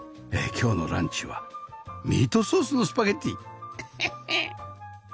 今日のランチはミートソースのスパゲティエヘヘッ